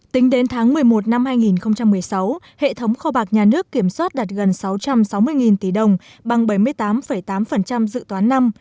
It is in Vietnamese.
tính đến tháng một mươi một năm hai nghìn một mươi sáu hệ thống kho bạc nhà nước kiểm soát đạt gần sáu trăm sáu mươi tỷ đồng bằng bảy mươi tám tám dự toán năm